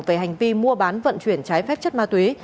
về hành vi mua bán vận chuyển trái phép chất ma túy